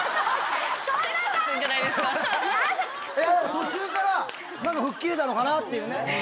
途中から吹っ切れたのかなっていうね。